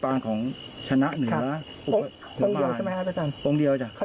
เป็นสรุง